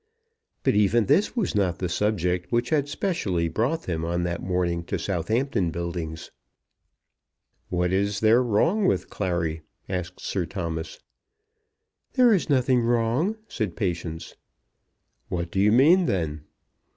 But even this was not the subject which had specially brought them on that morning to Southampton Buildings. "What is there wrong with Clary?" asked Sir Thomas. "There is nothing wrong," said Patience "What do you mean then?"